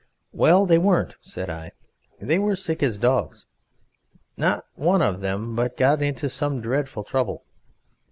"Well, they weren't!" said I. "They were as sick as dogs. Not one of them but got into some dreadful trouble.